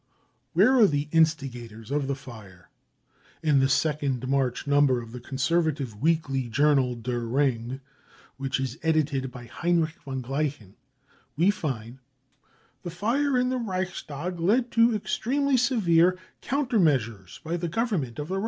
Where are the instigators of the fire? In the second March number of the conservative weekly journal Der Ring , which is edited by Heinrich von Gleichen, we find ; <c The fire in the Reichstag led to extremely severe counter measures by the Government of the Reich.